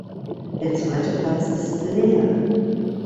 Der zweite Platz ist leer.